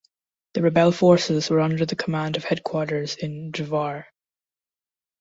The rebel forces were under the command of headquarters in Drvar.